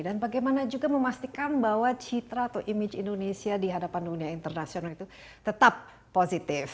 dan bagaimana juga memastikan bahwa citra atau image indonesia di hadapan dunia internasional itu tetap positif